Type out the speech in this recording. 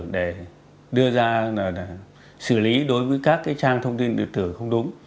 để đưa ra xử lý đối với các trang thông tin điện tử không đúng